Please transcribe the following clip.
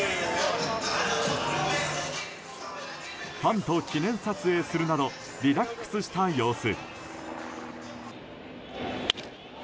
ファンと記念撮影するなどリラックスした様子。